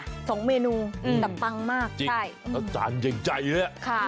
สองเมนูตำปังมากจริงแล้วจานเย็นใจเลยนะค่ะค่ะ